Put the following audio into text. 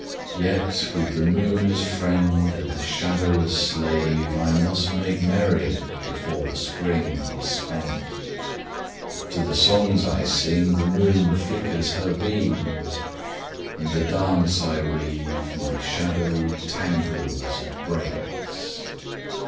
Yet with the moon as friend and the shadow as slave I must make merry before the Spring is spent. To the songs I sing the moon flickers her beams; In the dance I weave my shadow tangles and breaks.